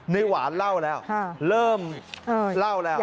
หวานเล่าแล้วเริ่มเล่าแล้ว